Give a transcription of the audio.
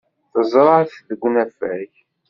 Teẓra-t deg unafag.